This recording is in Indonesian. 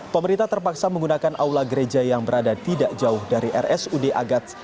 pemerintah terpaksa menggunakan aula gereja yang berada tidak jauh dari rsud agats